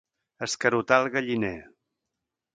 Escarotar el galliner.